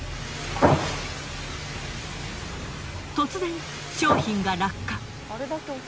突然商品が落下。